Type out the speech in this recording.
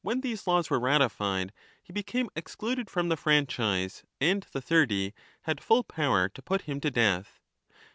ATHENIENSIUM RESPUBLICA laws were ratified, he became excluded from the franchise and 3 the Thirty had full power to put him to death.